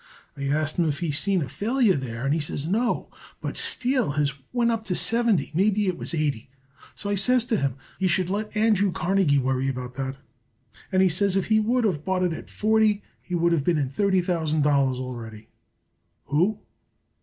I asked him if he seen a failure there, and he says no, but Steel has went up to seventy, maybe it was eighty. So I says to him he should let Andrew Carnegie worry about that, and he says if he would of bought it at forty he would have been in thirty thousand dollars already." "Who?"